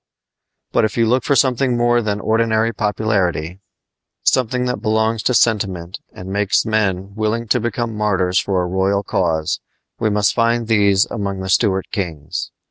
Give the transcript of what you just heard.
But if you look for something more than ordinary popularity something that belongs to sentiment and makes men willing to become martyrs for a royal cause we must find these among the Stuart kings.